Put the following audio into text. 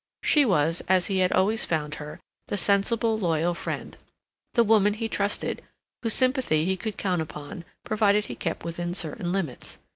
She was, as he had always found her, the sensible, loyal friend, the woman he trusted; whose sympathy he could count upon, provided he kept within certain limits.